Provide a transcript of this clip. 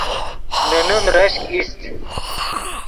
نے نیم رشک ایست